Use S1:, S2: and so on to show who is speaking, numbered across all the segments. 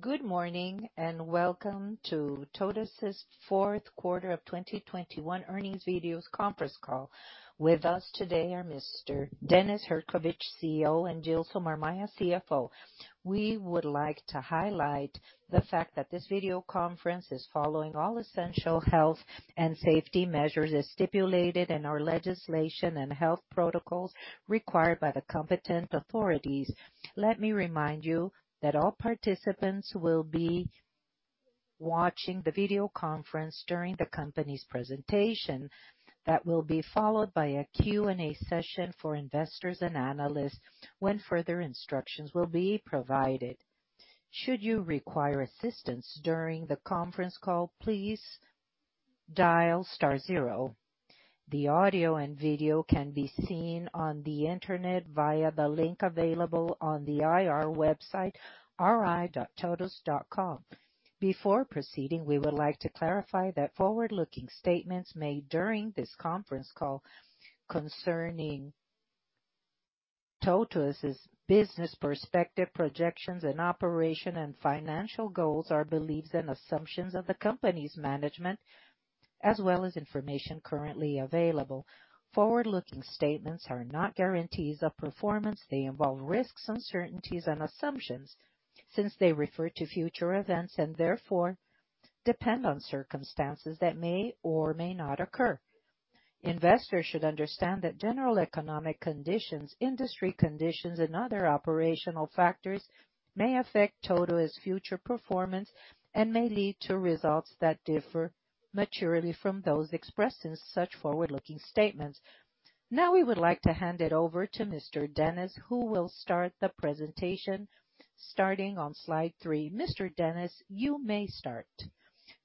S1: Good morning and welcome to TOTVS' Fourth Quarter of 2021 Earnings Video Conference Call. With us today are Mr. Dennis Herszkowicz, CEO, and Gilsomar Maia, CFO. We would like to highlight the fact that this video conference is following all essential health and safety measures as stipulated in our legislation and health protocols required by the competent authorities. Let me remind you that all participants will be watching the video conference during the company's presentation that will be followed by a Q&A session for investors and analysts when further instructions will be provided. Should you require assistance during the conference call, please dial star zero. The audio and video can be seen on the Internet via the link available on the IR website, ri.totvs.com. Before proceeding, we would like to clarify that forward-looking statements made during this conference call concerning TOTVS' business perspective, projections, and operation and financial goals are beliefs and assumptions of the company's management, as well as information currently available. Forward-looking statements are not guarantees of performance. They involve risks, uncertainties, and assumptions since they refer to future events and therefore depend on circumstances that may or may not occur. Investors should understand that general economic conditions, industry conditions, and other operational factors may affect TOTVS' future performance and may lead to results that differ materially from those expressed in such forward-looking statements. Now we would like to hand it over to Mr. Dennis, who will start the presentation starting on slide three. Mr. Dennis, you may start.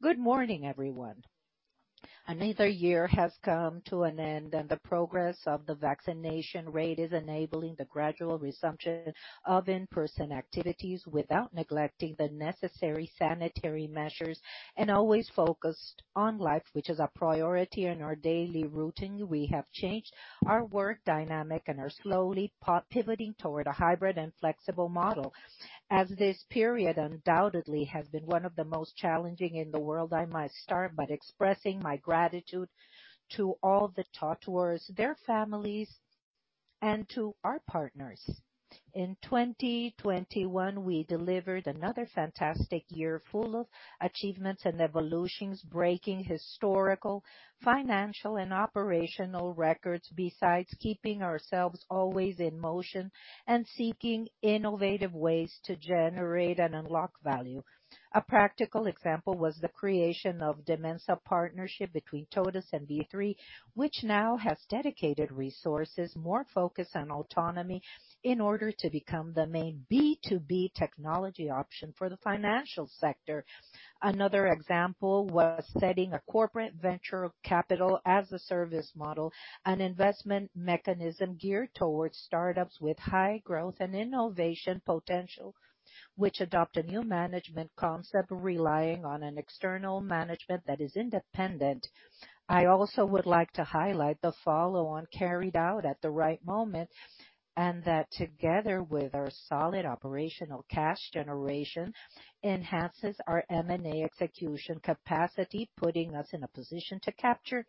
S2: Good morning, everyone. Another year has come to an end, and the progress of the vaccination rate is enabling the gradual resumption of in-person activities without neglecting the necessary sanitary measures and always focused on life, which is a priority in our daily routine. We have changed our work dynamic and are slowly pivoting toward a hybrid and flexible model. As this period undoubtedly has been one of the most challenging in the world, I must start by expressing my gratitude to all the TOTVERS, their families, and to our partners. In 2021, we delivered another fantastic year full of achievements and evolutions, breaking historical, financial, and operational records, besides keeping ourselves always in motion and seeking innovative ways to generate and unlock value. A practical example was the creation of Dimensa partnership between TOTVS and B3, which now has dedicated resources, more focus, and autonomy in order to become the main B2B technology option for the financial sector. Another example was setting a corporate venture capital as a service model, an investment mechanism geared towards startups with high growth and innovation potential, which adopt a new management concept relying on an external management that is independent. I also would like to highlight the follow-on carried out at the right moment and that together with our solid operational cash generation enhances our M&A execution capacity, putting us in a position to capture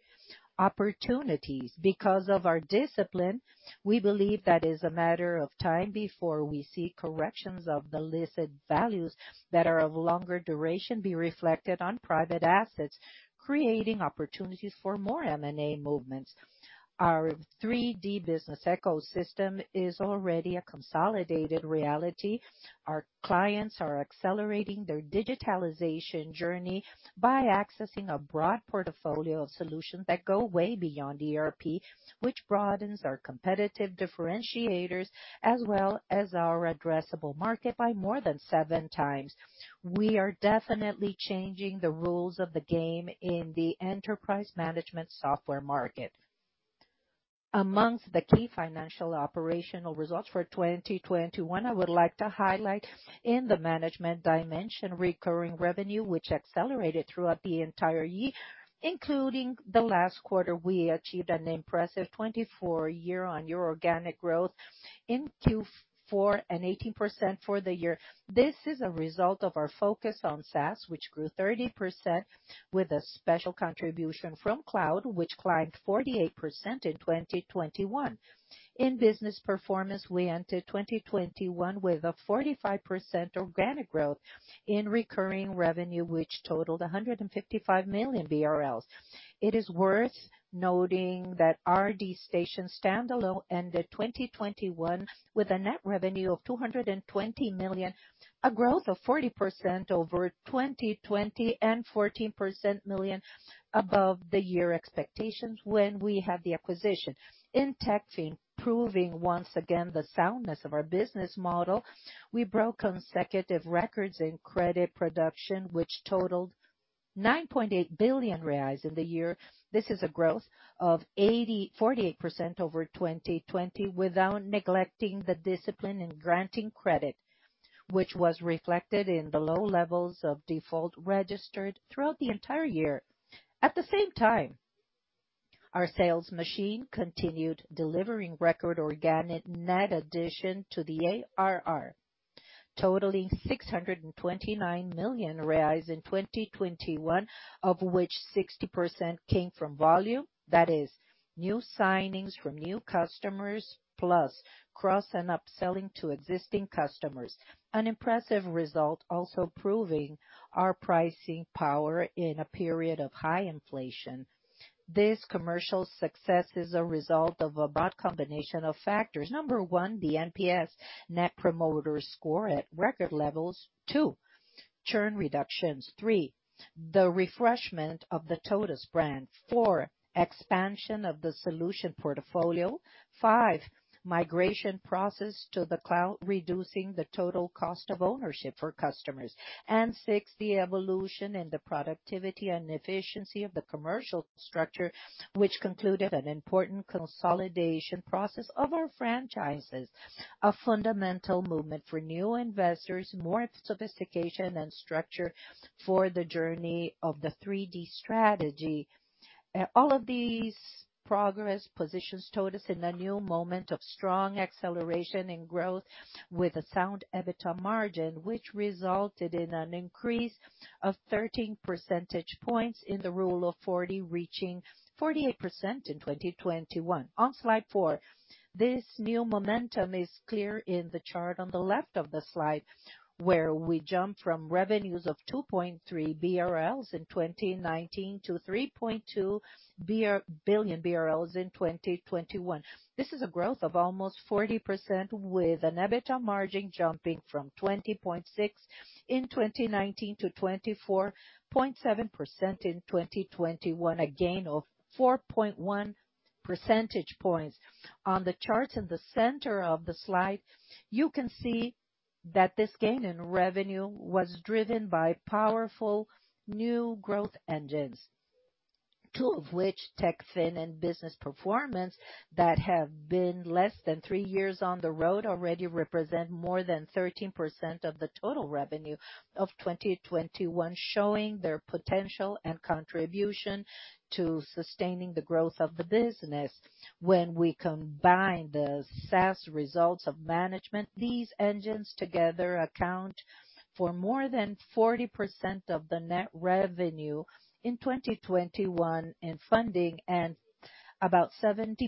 S2: opportunities. Because of our discipline, we believe that it's a matter of time before we see corrections of the listed values that are of longer duration be reflected on private assets, creating opportunities for more M&A movements. Our 3D business ecosystem is already a consolidated reality. Our clients are accelerating their digitalization journey by accessing a broad portfolio of solutions that go way beyond ERP, which broadens our competitive differentiators as well as our addressable market by more than 7x. We are definitely changing the rules of the game in the enterprise management software market. Amongst the key financial operational results for 2021, I would like to highlight in the Management dimension recurring revenue which accelerated throughout the entire year, including the last quarter. We achieved an impressive 24% year-on-year organic growth in Q4 and 18% for the year. This is a result of our focus on SaaS, which grew 30% with a special contribution from Cloud, which climbed 48% in 2021. In Business Performance, we entered 2021 with a 45% organic growth in recurring revenue, which totaled 155 million BRL. It is worth noting that RD Station standalone ended 2021 with a net revenue of 220 million, a growth of 40% over 2020 and 14% million above the year expectations when we had the acquisition. In Techfin, proving once again the soundness of our business model, we broke consecutive records in credit production which totaled 9.8 billion reais in the year. This is a growth of 48% over 2020 without neglecting the discipline in granting credit, which was reflected in the low levels of default registered throughout the entire year. At the same time, our sales machine continued delivering record organic net addition to the ARR, totaling 629 million reais in 2021, of which 60% came from volume. That is new signings from new customers, plus cross and upselling to existing customers. An impressive result also proving our pricing power in a period of high inflation. This commercial success is a result of a combination of factors. Number one, the NPS, net promoter score at record levels. Two, churn reductions. Three, the refreshment of the TOTVS brand. Four, expansion of the solution portfolio. Five, migration process to the Cloud, reducing the total cost of ownership for customers. Six, the evolution in the productivity and efficiency of the commercial structure, which concluded an important consolidation process of our franchises, a fundamental movement for new investors, more sophistication and structure for the journey of the 3D strategy. All of these progress, positions TOTVS in a new moment of strong acceleration and growth with a sound EBITDA margin, which resulted in an increase of 13 percentage points in the Rule of 40, reaching 48% in 2021. On slide four, this new momentum is clear in the chart on the left of the slide, where we jump from revenues of 2.3 billion BRL in 2019-BRL 3.2 billion in 2021. This is a growth of almost 40% with an EBITDA margin jumping from 20.6% in 2019 to 24.7% in 2021. A gain of 4.1 percentage points. On the charts in the center of the slide, you can see that this gain in revenue was driven by powerful new growth engines, two of which, Techfin and Business Performance, that have been less than three years on the road already represent more than 13% of the total revenue of 2021, showing their potential and contribution to sustaining the growth of the business. When we combine the SaaS results of Management, these engines together account for more than 40% of the net revenue in 2021 in funding and about 70%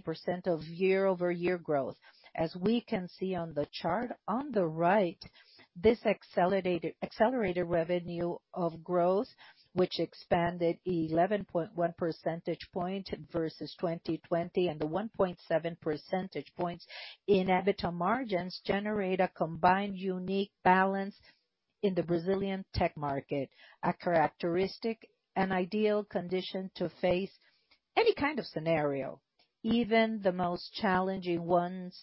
S2: of year-over-year growth. As we can see on the chart on the right, this accelerated revenue growth, which expanded 11.1 percentage points versus 2020 and the 1.7 percentage points in EBITDA margins generate a combined unique balance in the Brazilian tech market. A characteristic and ideal condition to face any kind of scenario, even the most challenging ones,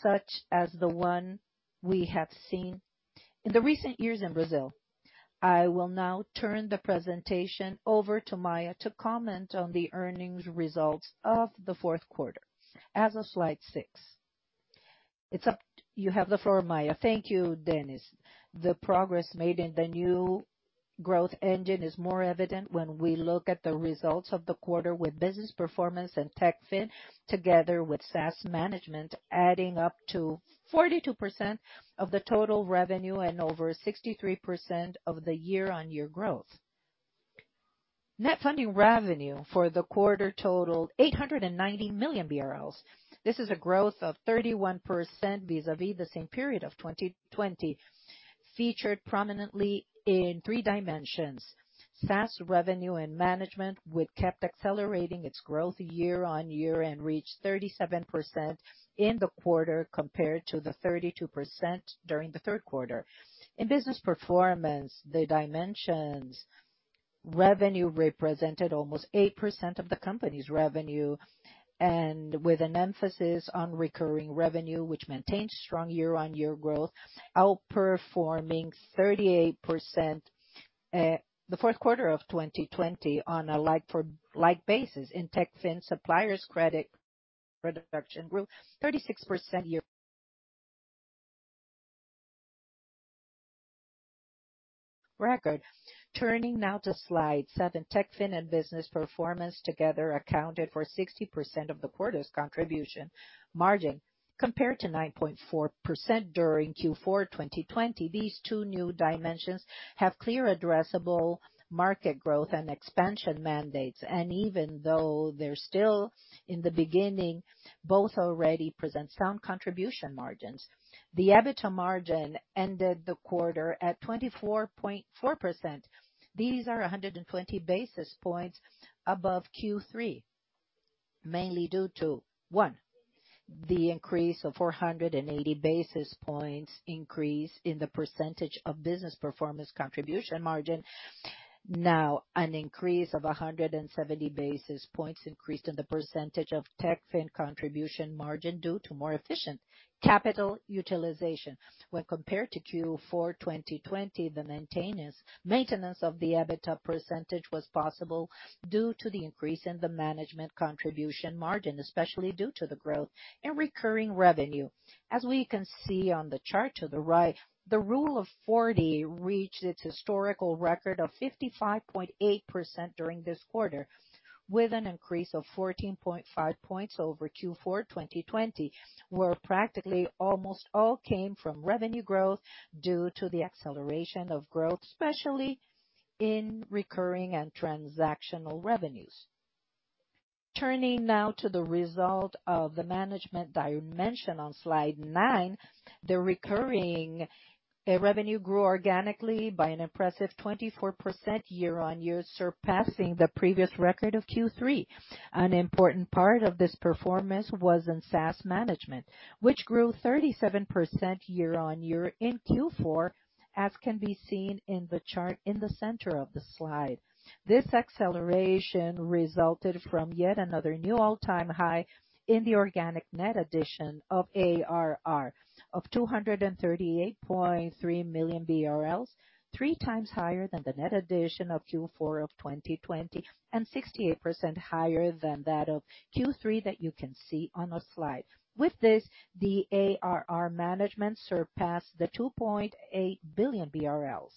S2: such as the one we have seen in recent years in Brazil. I will now turn the presentation over to Maia to comment on the earnings results of the fourth quarter as of slide six. You have the floor, Maia.
S3: Thank you, Dennis. The progress made in the new growth engine is more evident when we look at the results of the quarter with Business Performance and Techfin, together with SaaS Management, adding up to 42% of the total revenue and over 63% of the year-on-year growth. Net funding revenue for the quarter totaled 890 million BRL. This is a growth of 31% vis-a-vis the same period of 2020, featured prominently in 3 Dimensions. SaaS revenue and Management, which kept accelerating its growth year-on-year and reached 37% in the quarter, compared to the 32% during the third quarter. In Business Performance, the dimensions revenue represented almost 8% of the company's revenue, and with an emphasis on recurring revenue which maintains strong year-on-year growth, outperforming 38%, the fourth quarter of 2020 on a like-for-like basis. In Techfin, suppliers credit reduction grew 36% year record. Turning now to slide seven. Techfin and Business Performance together accounted for 60% of the quarter's contribution margin, compared to 9.4% during Q4 2020. These two new dimensions have clear addressable market growth and expansion mandates. Even though they're still in the beginning, both already present sound contribution margins. The EBITDA margin ended the quarter at 24.4%. These are 120 basis points above Q3, mainly due to, one, the increase of 480 basis points increased in the percentage of Business Performance contribution margin. Now, an increase of 170 basis points increased in the percentage of Techfin contribution margin due to more efficient capital utilization. When compared to Q4 2020, the maintenance of the EBITDA percentage was possible due to the increase in the Management contribution margin, especially due to the growth in recurring revenue. As we can see on the chart to the right, the Rule of 40 reached its historical record of 55.8% during this quarter, with an increase of 14.5 points over Q4 2020, where practically almost all came from revenue growth due to the acceleration of growth, especially in recurring and transactional revenues. Turning now to the result of the Management dimension on slide nine. The recurring revenue grew organically by an impressive 24% year-on-year, surpassing the previous record of Q3. An important part of this performance was in SaaS management, which grew 37% year-on-year in Q4, as can be seen in the chart in the center of the slide. This acceleration resulted from yet another new all-time high in the organic net addition of ARR of 238.3 million BRL, 3x higher than the net addition of Q4 of 2020, and 68% higher than that of Q3 that you can see on the slide. With this, the ARR management surpassed the 2.8 billion BRL.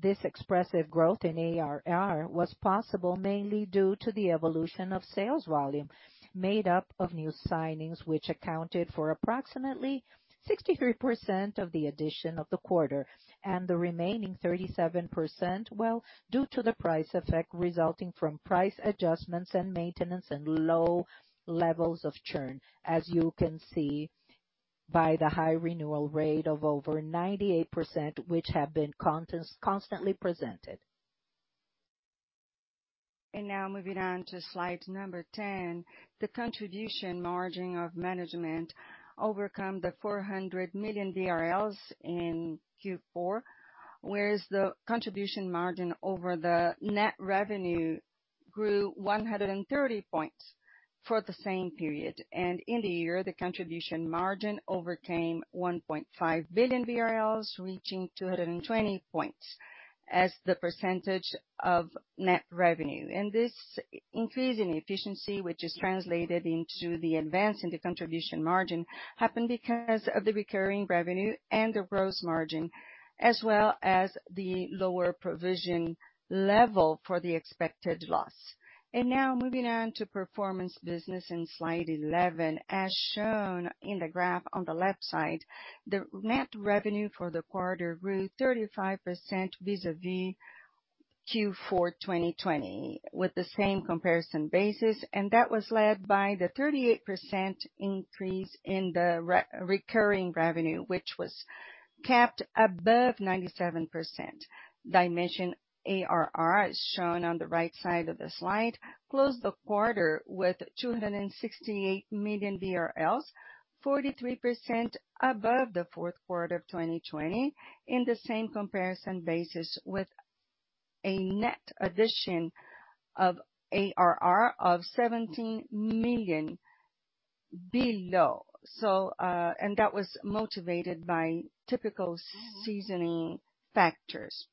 S3: This expressive growth in ARR was possible mainly due to the evolution of sales volume made up of new signings, which accounted for approximately 63% of the addition of the quarter. The remaining 37%, well, due to the price effect resulting from price adjustments and maintenance, and low levels of churn, as you can see by the high renewal rate of over 98%, which have been constantly presented. Now moving on to slide number 10. The contribution margin of Management overcame 400 million BRL in Q4, whereas the contribution margin over the net revenue grew 130 points for the same period. In the year, the contribution margin overcame 1.5 billion BRL, reaching 220 points as the percentage of net revenue. This increase in efficiency, which is translated into the advance in the contribution margin, happened because of the recurring revenue and the gross margin, as well as the lower provision level for the expected loss. Now moving on to Business Performance in slide 11. As shown in the graph on the left side, the net revenue for the quarter grew 35% vis-a-vis Q4 2020, with the same comparison basis, and that was led by the 38% increase in the recurring revenue, which was capped above 97%. Dimension ARR, as shown on the right side of the slide, closed the quarter with 268 million BRL, 43% above the fourth quarter of 2020 in the same comparison basis, with a net addition of ARR of BRL 17 million. That was motivated by typical seasoning factors.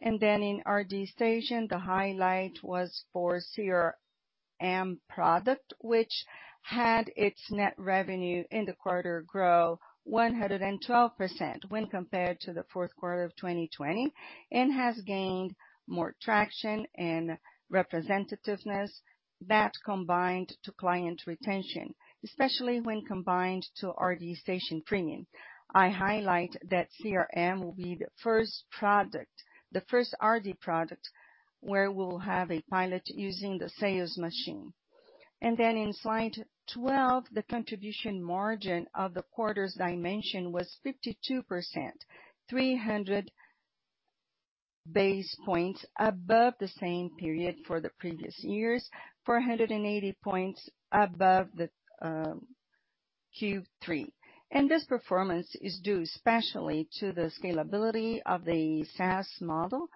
S3: In RD Station, the highlight was for CRM product, which had its net revenue in the quarter grow 112% when compared to the fourth quarter of 2020, and has gained more traction and representativeness that combined to client retention, especially when combined to RD Station Premium. I highlight that CRM will be the first RD product, where we'll have a pilot using the sales machine. In slide 12, the contribution margin of the quarter's dimension was 52%, 300 basis points above the same period for the previous years, 480 basis points above the Q3. This performance is due especially to the scalability of the SaaS model.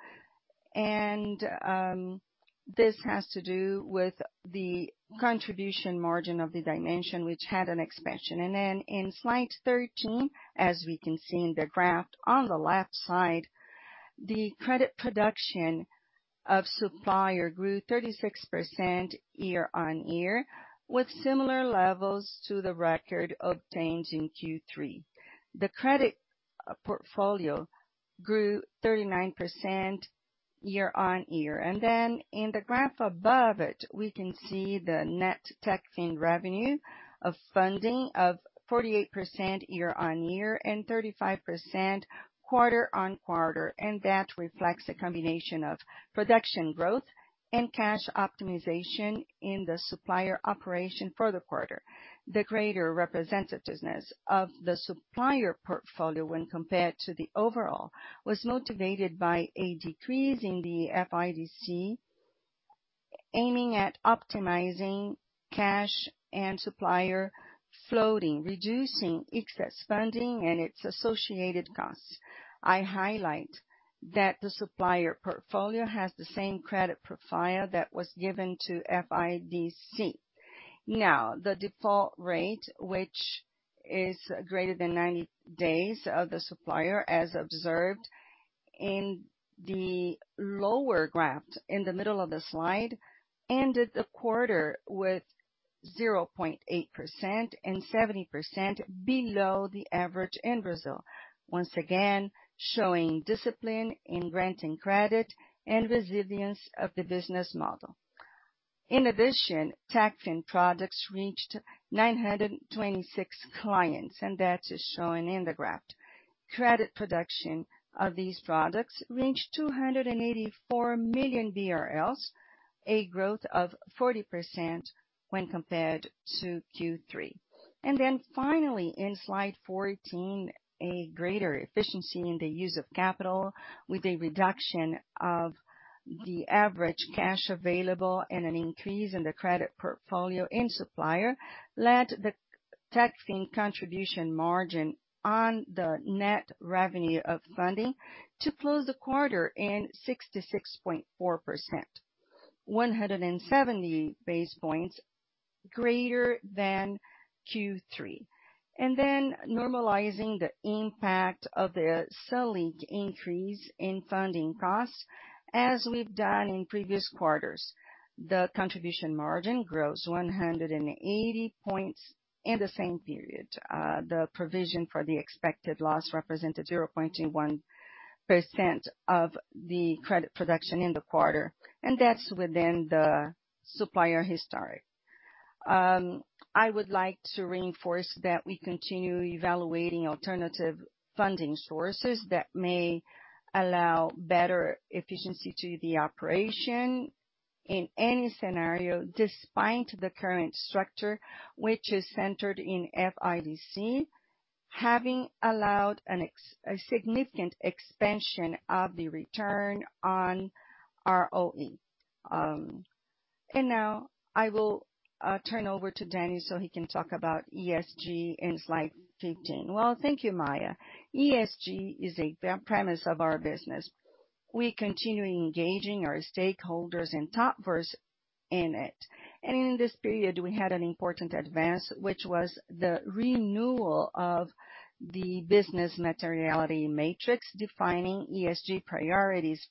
S3: This has to do with the contribution margin of the dimension which had an expansion. In slide 13, as we can see in the graph on the left side, the credit production of supplier grew 36% year-on-year, with similar levels to the record obtained in Q3. The credit portfolio grew 39% year-on-year. In the graph above it, we can see the net Techfin revenue of funding of 48% year-on-year and 35% quarter-on-quarter. That reflects a combination of production growth and cash optimization in the supplier operation for the quarter. The greater representativeness of the supplier portfolio when compared to the overall was motivated by a decrease in the FIDC, aiming at optimizing cash and supplier floating, reducing excess funding and its associated costs. I highlight that the supplier portfolio has the same credit profile that was given to FIDC. Now, the default rate, which is greater than 90 days of the supplier, as observed in the lower graph in the middle of the slide, ended the quarter with 0.8% and 70% below the average in Brazil. Once again, showing discipline in granting credit and resilience of the business model. In addition, Techfin products reached 926 clients, and that is shown in the graph. Credit production of these products reached 284 million BRL, a growth of 40% when compared to Q3. Then finally, in slide 14, a greater efficiency in the use of capital with a reduction of the average cash available and an increase in the credit portfolio in supplier, led the Techfin contribution margin on the net revenue of funding to close the quarter in 66.4%, 170 basis points greater than Q3. Normalizing the impact of the Selic increase in funding costs, as we've done in previous quarters. The contribution margin grows 180 points in the same period. The provision for the expected loss represented 0.21% of the credit production in the quarter, and that's within the supplier history. I would like to reinforce that we continue evaluating alternative funding sources that may allow better efficiency to the operation in any scenario, despite the current structure, which is centered in FIDC, having allowed a significant expansion of the return on ROE. Now I will turn over to Dennis so he can talk about ESG in slide 15.
S2: Well, thank you, Maia. ESG is a premise of our business. We continue engaging our stakeholders and TOTVERS in it. In this period, we had an important advance, which was the renewal of the business materiality matrix defining ESG priorities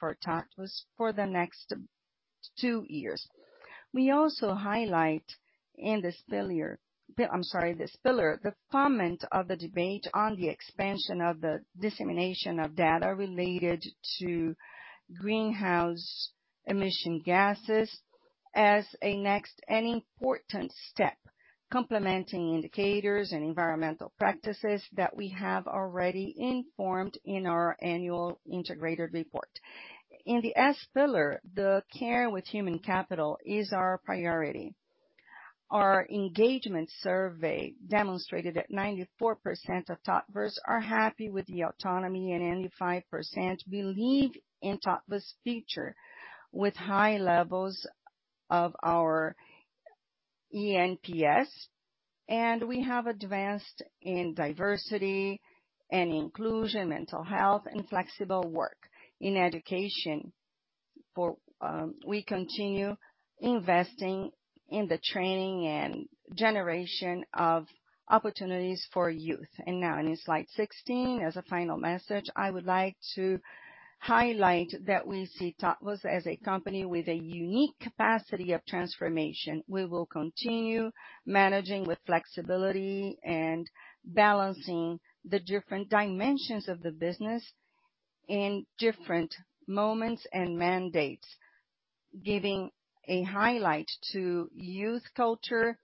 S2: for TOTVS for the next two years. We also highlight in this pillar, the commencement of the debate on the expansion of the dissemination of data related to greenhouse gas emissions as a next and important step, complementing indicators and environmental practices that we have already informed in our annual integrated report. In the S pillar, the care with human capital is our priority. Our engagement survey demonstrated that 94% of TOTVERS are happy with the autonomy, and 95% believe in TOTVS' future with high levels of our eNPS. We have advanced in diversity and inclusion, mental health, and flexible work. In education, we continue investing in the training and generation of opportunities for youth. Now, in slide 16, as a final message, I would like to highlight that we see TOTVS as a company with a unique capacity of transformation. We will continue managing with flexibility and balancing the different dimensions of the business in different moments and mandates. Giving a highlight to youth culture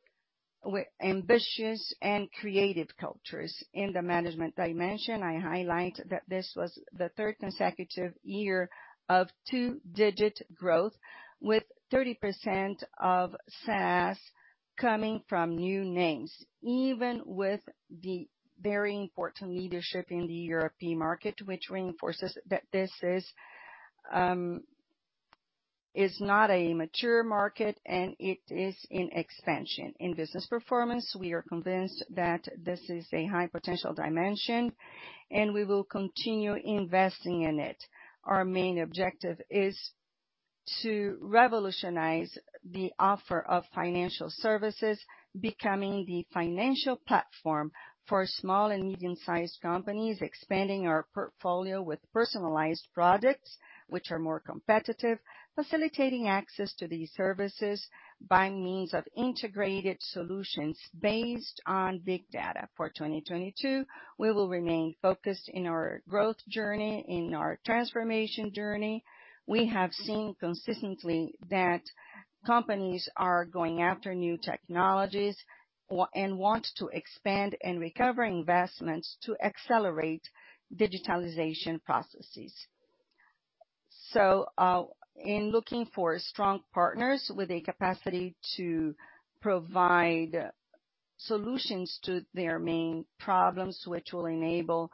S2: with ambitious and creative cultures. In the Management dimension, I highlight that this was the third consecutive year of two-digit growth, with 30% of SaaS coming from new names, even with the very important leadership in the European market, which reinforces that this is not a mature market, and it is in expansion. In Business Performance, we are convinced that this is a high-potential dimension, and we will continue investing in it. Our main objective is to revolutionize the offer of financial services, becoming the financial platform for small and medium-sized companies, expanding our portfolio with personalized products which are more competitive, facilitating access to these services by means of integrated solutions based on big data. For 2022, we will remain focused in our growth journey, in our transformation journey. We have seen consistently that companies are going after new technologies and want to expand and recover investments to accelerate digitalization processes. In looking for strong partners with a capacity to provide solutions to their main problems, which will enable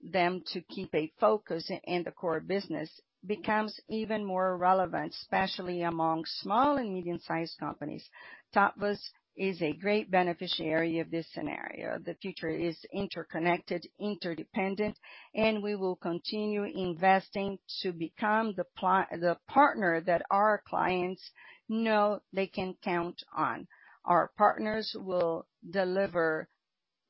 S2: them to keep a focus in the core business, becomes even more relevant, especially among small and medium-sized companies. TOTVS is a great beneficiary of this scenario. The future is interconnected, interdependent, and we will continue investing to become the partner that our clients know they can count on. Our partners will deliver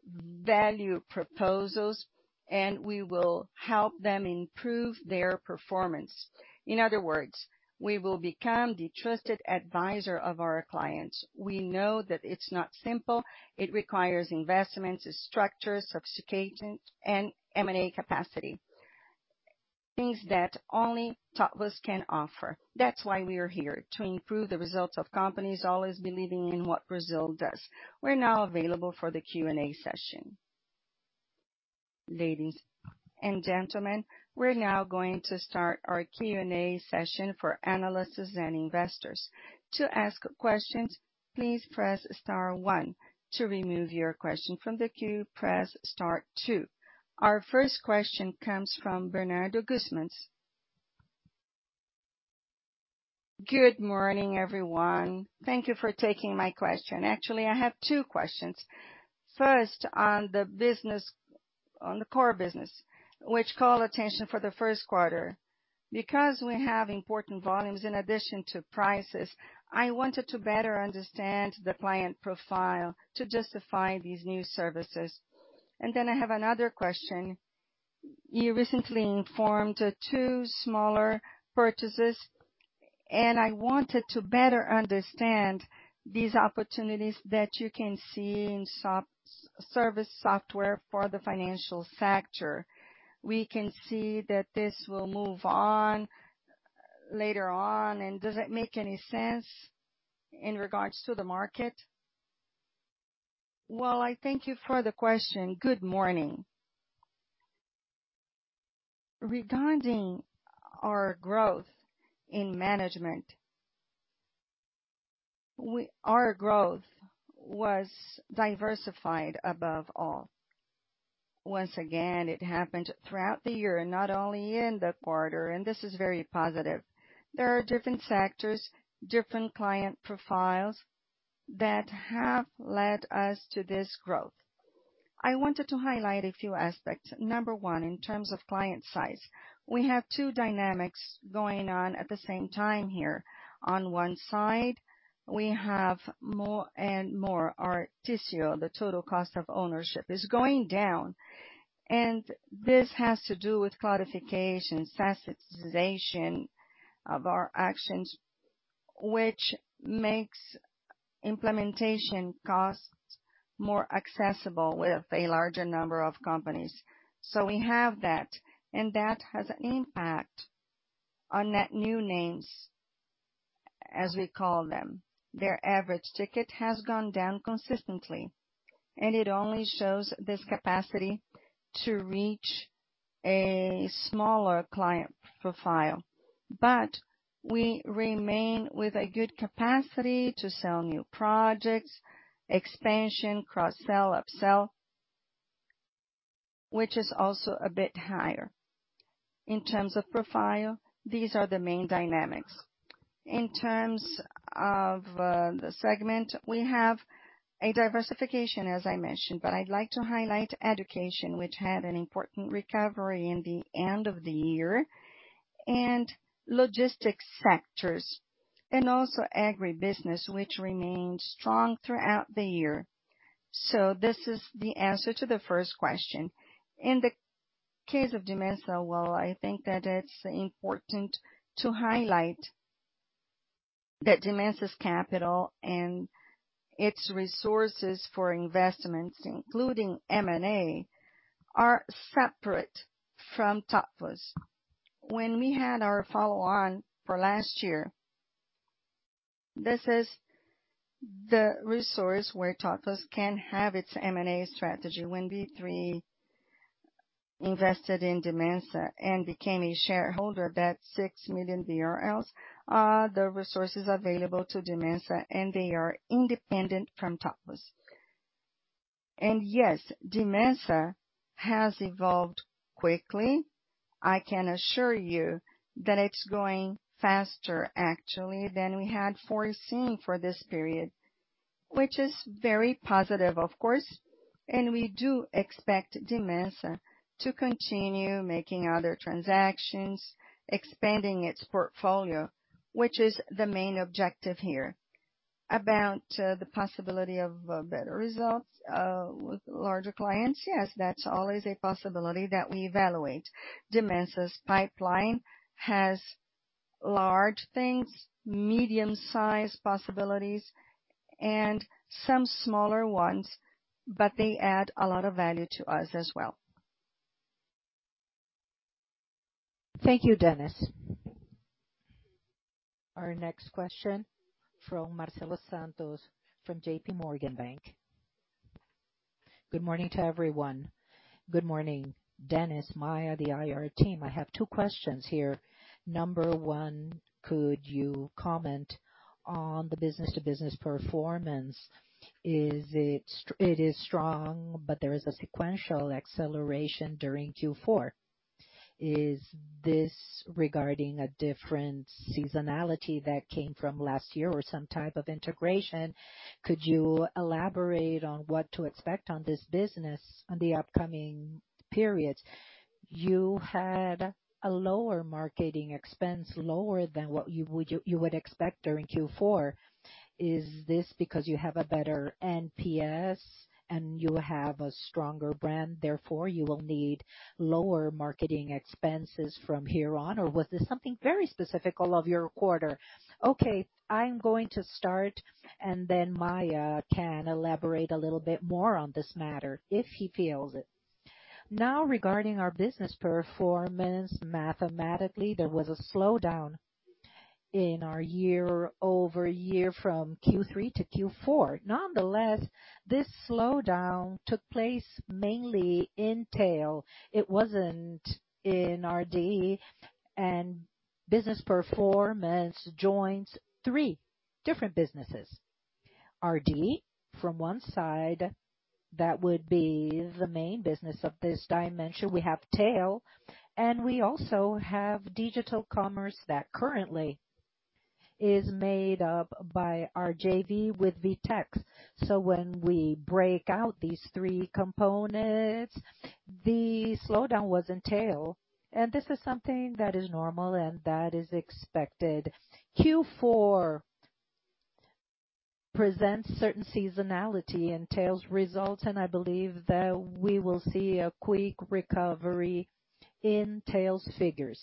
S2: value proposals, and we will help them improve their performance. In other words, we will become the trusted advisor of our clients. We know that it's not simple. It requires investments, structures, sophistication, and M&A capacity. Things that only TOTVS can offer. That's why we are here to improve the results of companies, always believing in what Brazil does. We're now available for the Q&A session.
S1: Ladies and gentlemen, we're now going to start our Q&A session for analysts and investors. To ask questions, please press star one. To remove your question from the queue, press star two. Our first question comes from Bernardo Guttmann.
S4: Good morning, everyone. Thank you for taking my question. Actually, I have two questions. First, on the core business, which calls attention to the first quarter. Because we have important volumes in addition to prices, I wanted to better understand the client profile to justify these new services. I have another question. You recently informed two smaller purchases, and I wanted to better understand these opportunities that you can see in SaaS software for the financial sector. We can see that this will move on later on. Does it make any sense in regards to the market?
S2: Well, I thank you for the question. Good morning. Regarding our growth in Management, our growth was diversified above all. Once again, it happened throughout the year, not only in the quarter, and this is very positive. There are different sectors, different client profiles that have led us to this growth. I wanted to highlight a few aspects. Number one, in terms of client size. We have two dynamics going on at the same time here. On one side, we have more and more our TCO, the total cost of ownership, is going down, and this has to do with clarification, sensitization of our actions, which makes implementation costs more accessible with a larger number of companies. We have that, and that has an impact on net new names, as we call them. Their average ticket has gone down consistently, and it only shows this capacity to reach a smaller client profile. We remain with a good capacity to sell new projects, expansion, cross-sell, upsell, which is also a bit higher. In terms of profile, these are the main dynamics. In terms of the segment, we have a diversification, as I mentioned, but I'd like to highlight education, which had an important recovery in the end of the year and logistics sectors, and also agribusiness, which remained strong throughout the year. This is the answer to the first question. In the case of Dimensa, well, I think that it's important to highlight that Dimensa's capital and its resources for investments, including M&A, are separate from TOTVS. When we had our follow-on for last year, this is the resource where TOTVS can have its M&A strategy. When B3 invested in Dimensa and became a shareholder, that 6 million BRL are the resources available to Dimensa, and they are independent from TOTVS. Yes, Dimensa has evolved quickly. I can assure you that it's growing faster, actually, than we had foreseen for this period, which is very positive, of course. We do expect Dimensa to continue making other transactions, expanding its portfolio, which is the main objective here. About the possibility of better results with larger clients. Yes, that's always a possibility that we evaluate. Dimensa's pipeline has large things, medium-sized possibilities and some smaller ones, but they add a lot of value to us as well.
S4: Thank you, Dennis.
S1: Our next question is from Marcelo Santos from JPMorgan.
S5: Good morning to everyone. Good morning, Dennis, Maia, the IR team. I have two questions here. Number one, could you comment on the business-to-business performance? It is strong, but there is a sequential acceleration during Q4. Is this regarding a different seasonality that came from last year or some type of integration? Could you elaborate on what to expect on this business on the upcoming periods? You had a lower marketing expense, lower than what you would expect during Q4. Is this because you have a better NPS and you have a stronger brand, therefore you will need lower marketing expenses from here on? Or was this something very specific all of your quarter?
S2: Okay, I'm going to start, and then Maia can elaborate a little bit more on this matter if she feels it. Now, regarding our Business Performance, mathematically, there was a slowdown. In our year-over-year from Q3 to Q4. Nonetheless, this slowdown took place mainly in Tail. It wasn't in RD and Business Performance joins three different businesses. RD from one side, that would be the main business of this dimension. We have Tail, and we also have digital commerce that currently is made up by our JV with VTEX. So when we break out these three components, the slowdown was in Tail, and this is something that is normal and that is expected. Q4 presents certain seasonality in Tail's results, and I believe that we will see a quick recovery in Tail's figures.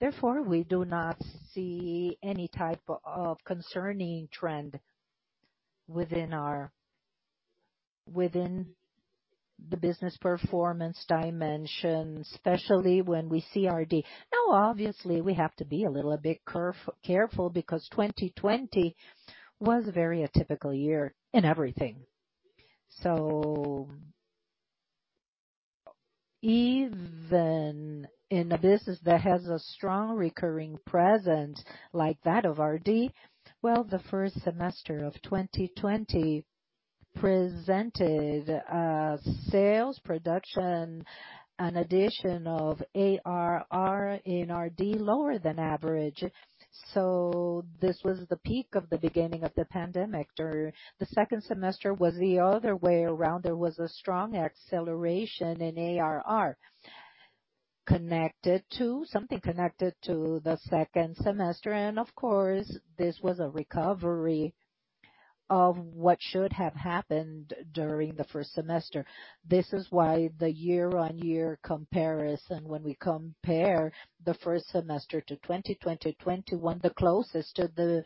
S2: Therefore, we do not see any type of concerning trend within the Business Performance dimension, especially when we see RD. Now, obviously we have to be a little bit careful because 2020 was very atypical year in everything. Even in a business that has a strong recurring presence like that of RD, well, the first semester of 2020 presented a sales production, an addition of ARR in RD lower than average. This was the peak of the beginning of the pandemic. During the second semester was the other way around. There was a strong acceleration in ARR, connected to something connected to the second semester, and of course, this was a recovery of what should have happened during the first semester. This is why the year-on-year comparison, when we compare the first semester to 2020, 2021, the closest to the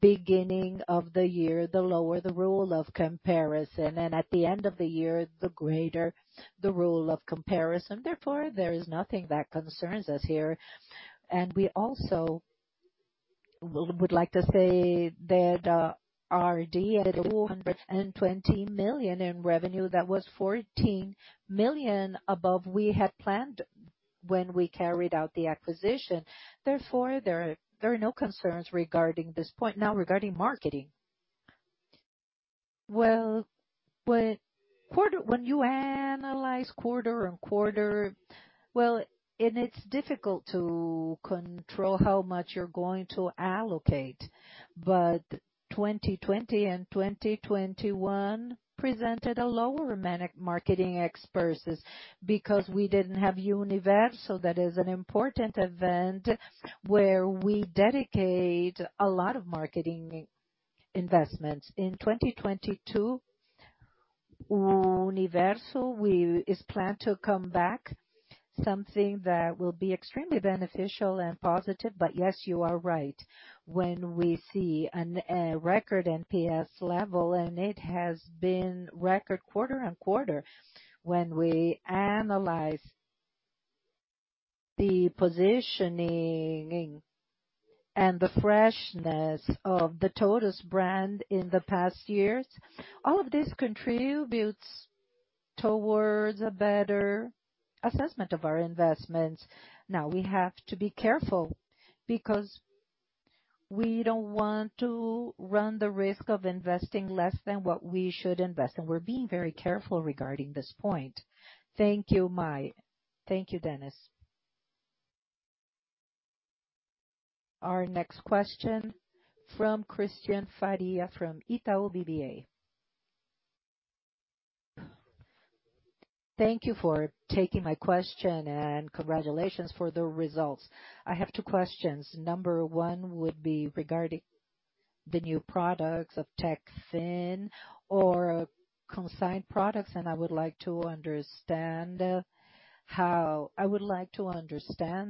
S2: beginning of the year, the lower the rule of comparison, and at the end of the year, the greater the rule of comparison. Therefore, there is nothing that concerns us here.
S3: We also would like to say that, RD added 220 million in revenue. That was 14 million above we had planned when we carried out the acquisition. Therefore, there are no concerns regarding this point. Now, regarding marketing. Well, when you analyze quarter-on-quarter, well, and it's difficult to control how much you're going to allocate, but 2020 and 2021 presented a lower marketing expenses because we didn't have Universo. That is an important event where we dedicate a lot of marketing investments. In 2022, Universo is planned to come back, something that will be extremely beneficial and positive. But yes, you are right. When we see a record NPS level, and it has been record quarter-on-quarter. When we analyze the positioning and the freshness of the TOTVS brand in the past years, all of this contributes towards a better assessment of our investments. Now, we have to be careful because we don't want to run the risk of investing less than what we should invest, and we're being very careful regarding this point.
S5: Thank you, Maia. Thank you, Dennis.
S1: Our next question from Cristian Faria, from Itaú BBA.
S6: Thank you for taking my question and congratulations for the results. I have two questions. Number one would be regarding the new products of Techfin or Consignado products, and I would like to understand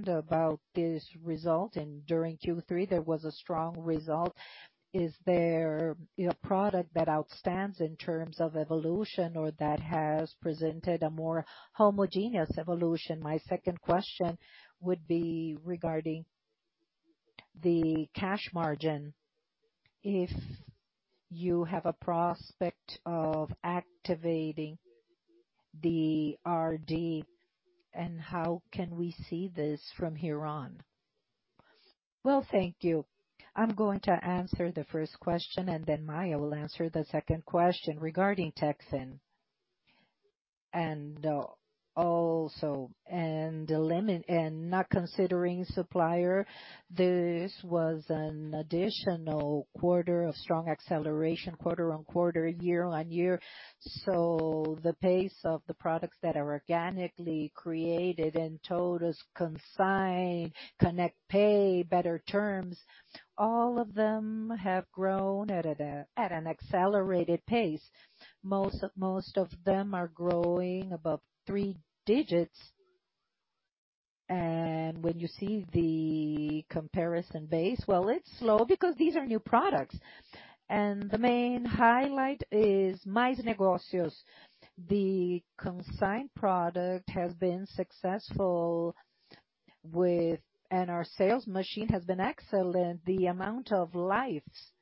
S6: about this result, and during Q3 there was a strong result. Is there a product that outstands in terms of evolution or that has presented a more homogeneous evolution? My second question would be regarding the cash margin, if you have a prospect of activating the RD and how can we see this from here on?
S2: Well, thank you. I'm going to answer the first question and then Maia will answer the second question. Regarding Techfin and the limit and not considering supplier, this was an additional quarter of strong acceleration quarter-on-quarter, year-on-year. The pace of the products that are organically created in TOTVS Consignado, TOTVS eduConnect Pay, better terms, all of them have grown at an accelerated pace. Most of them are growing above three digits. When you see the comparison base, well, it's slow because these are new products. The main highlight is Mais Negócios. The consigned product has been successful. Our sales machine has been excellent. The amount of lives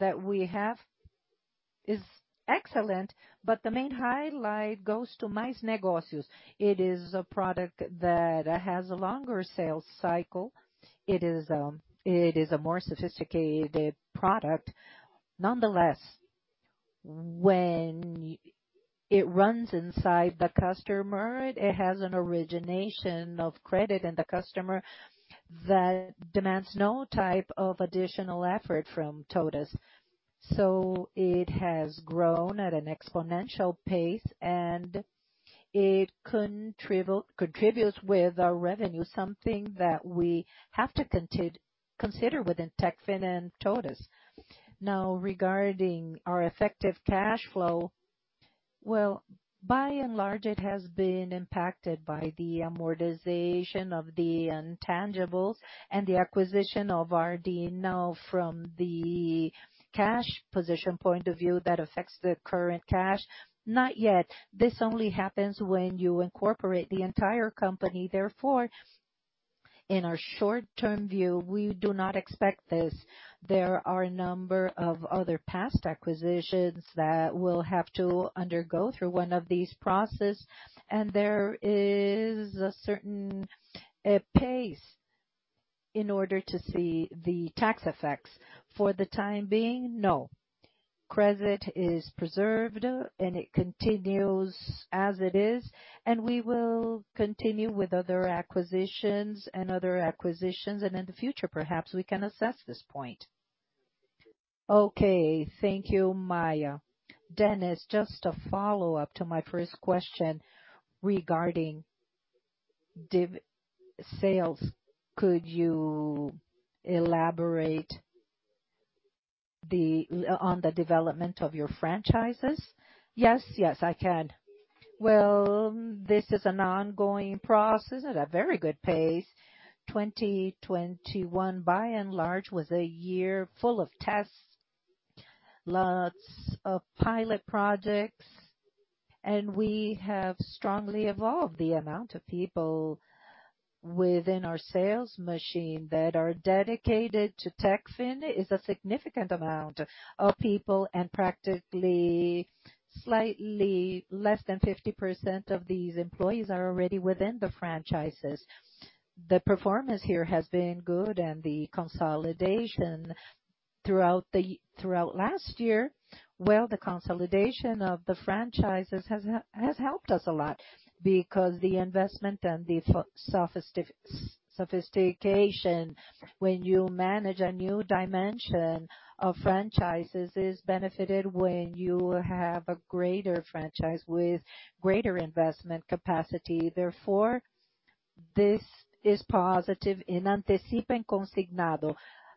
S2: that we have is excellent, but the main highlight goes to Mais Negócios. It is a product that has a longer sales cycle. It is a more sophisticated product. Nonetheless, when it runs inside the customer, it has an origination of credit and the customer that demands no type of additional effort from TOTVS. It has grown at an exponential pace, and it contributes with our revenue, something that we have to consider within Techfin and TOTVS.
S3: Now, regarding our effective cash flow, well, by and large, it has been impacted by the amortization of the intangibles and the acquisition of RD now from the cash position point of view that affects the current cash. Not yet. This only happens when you incorporate the entire company. Therefore, in our short-term view, we do not expect this. There are a number of other past acquisitions that will have to undergo through one of these process, and there is a certain pace in order to see the tax effects. For the time being, no. Credit is preserved, and it continues as it is, and we will continue with other acquisitions. In the future, perhaps we can assess this point.
S6: Okay. Thank you, Maia. Dennis, just a follow-up to my first question regarding divisional sales. Could you elaborate on the development of your franchises?
S2: Yes, I can. Well, this is an ongoing process at a very good pace. 2021, by and large, was a year full of tests, lots of pilot projects, and we have strongly evolved the amount of people within our sales machine that are dedicated to Techfin is a significant amount of people, and practically slightly less than 50% of these employees are already within the franchises. The performance here has been good, and the consolidation throughout last year, well, the consolidation of the franchises has helped us a lot because the investment and the sophistication when you manage a new dimension of franchises is benefited when you have a greater franchise with greater investment capacity. Therefore, this is positive in Antecipa and Consignado.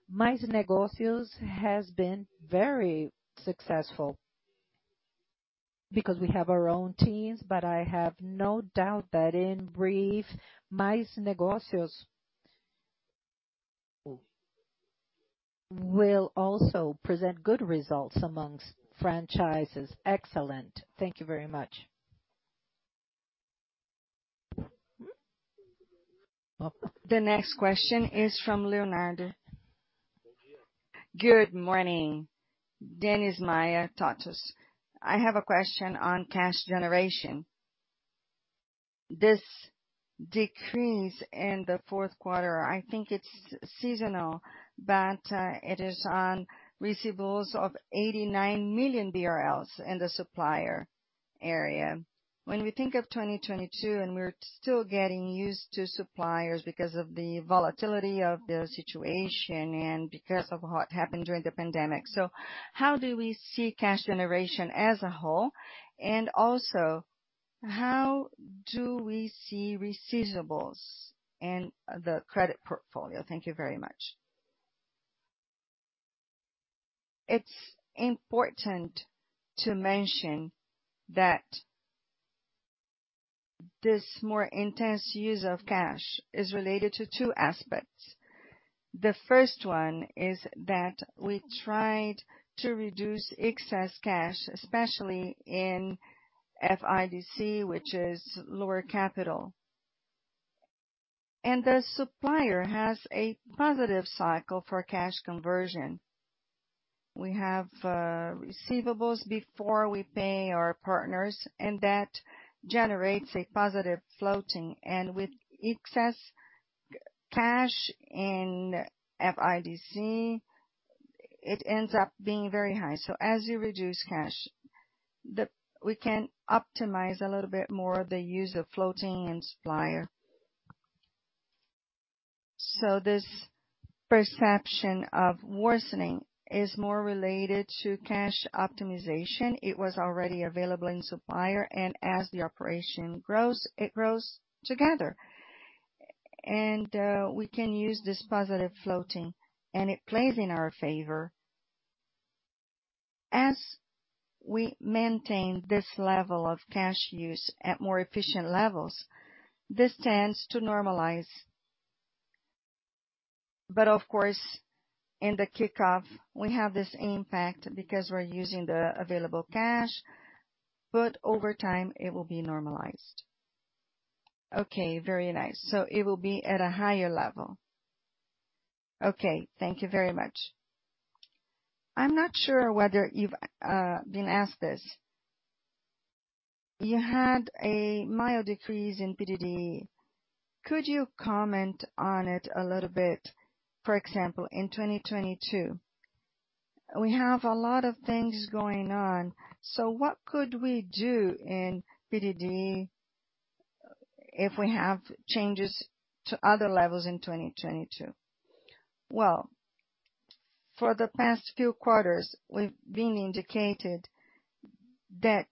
S2: Mais Negócios has been very successful because we have our own teams, but I have no doubt that in brief, Mais Negócios will also present good results amongst franchises.
S6: Excellent. Thank you very much.
S1: The next question is from Leonardo.
S7: Good morning. Dennis, Maia, todos. I have a question on cash generation. This decrease in the fourth quarter, I think it's seasonal, but it is on receivables of 89 million BRL in the supplier area. When we think of 2022, and we're still getting used to suppliers because of the volatility of the situation and because of what happened during the pandemic. How do we see cash generation as a whole? And also, how do we see receivables in the credit portfolio?
S2: Thank you very much. It's important to mention that this more intense use of cash is related to two aspects. The first one is that we tried to reduce excess cash, especially in FIDC, which is lower capital. The supplier has a positive cycle for cash conversion. We have receivables before we pay our partners, and that generates a positive floating. With excess cash in FIDC, it ends up being very high. As you reduce cash, we can optimize a little bit more of the use of floating and supplier. This perception of worsening is more related to cash optimization. It was already available in supplier, and as the operation grows, it grows together. We can use this positive floating, and it plays in our favor. As we maintain this level of cash use at more efficient levels, this tends to normalize. Of course, in the kickoff we have this impact because we're using the available cash, but over time, it will be normalized.
S7: Okay. Very nice.
S2: So it will be at a higher level.
S7: Okay, thank you very much. I'm not sure whether you've been asked this. You had a mild decrease in PDD. Could you comment on it a little bit, for example, in 2022? We have a lot of things going on, so what could we do in PDD if we have changes to other levels in 2022?
S2: Well, for the past few quarters, we've been indicating that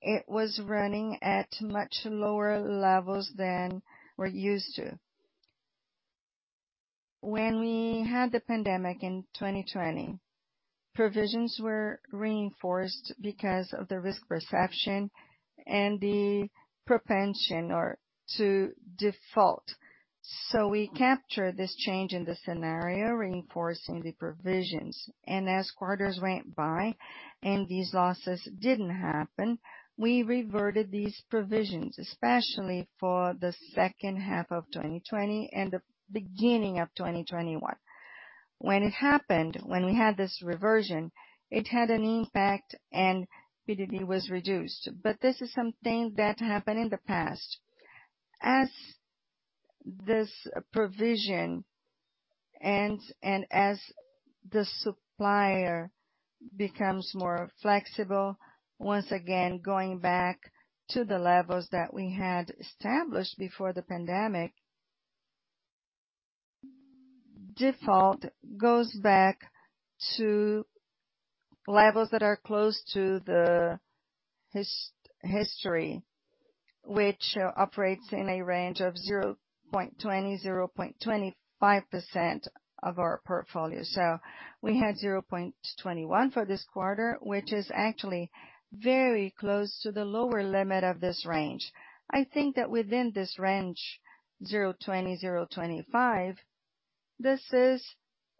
S2: it was running at much lower levels than we're used to. When we had the pandemic in 2020, provisions were reinforced because of the risk perception and the propension to default. We captured this change in the scenario, reinforcing the provisions. As quarters went by and these losses didn't happen, we reverted these provisions, especially for the second half of 2020 and the beginning of 2021. When it happened, when we had this reversion, it had an impact and PDD was reduced. This is something that happened in the past. As this provision ends, and as the supplier becomes more flexible, once again, going back to the levels that we had established before the pandemic, default goes back to levels that are close to the history, which operates in a range of 0.20%-0.25% of our portfolio. We had 0.21% for this quarter, which is actually very close to the lower limit of this range. I think that within this range, 0.20%-0.25%, this is